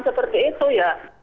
seperti itu ya